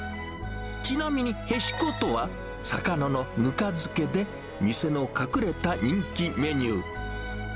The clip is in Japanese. ちなみに、へしことは魚のぬか漬けで、店の隠れた人気メニュー。